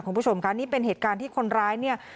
คุณผู้ชมค่ะนี่เป็นเหตุการณ์ที่คนร้ายเนี่ย